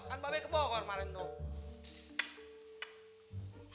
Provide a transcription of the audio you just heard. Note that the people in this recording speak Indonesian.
kan pak be ke bogor malin tuh